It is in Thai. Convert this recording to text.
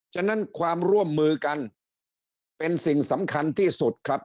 ฉะนั้นความร่วมมือกันเป็นสิ่งสำคัญที่สุดครับ